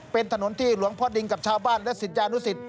เป็นถนนที่หลวงพ่อดิงกับชาวบ้านและศิษยานุสิต